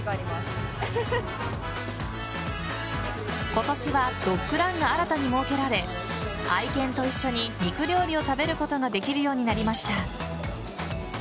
今年はドッグランが新たに設けられ愛犬と一緒に肉料理を食べることができるようになりました。